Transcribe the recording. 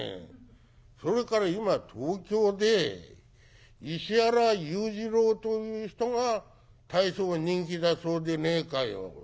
それから今東京で石原裕次郎という人が大層人気だそうでねえかよ。